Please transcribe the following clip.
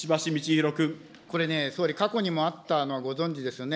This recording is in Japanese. これね、総理、過去にもあったのご存じですよね。